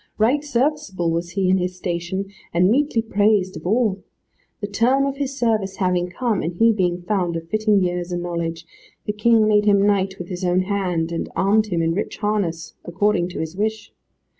Right serviceable was he in his station, and meetly praised of all. The term of his service having come, and he being found of fitting years and knowledge, the King made him knight with his own hand, and armed him in rich harness, according to his wish.